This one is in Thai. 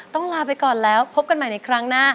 ลาไปก่อนแล้วพบกันใหม่ในครั้งหน้า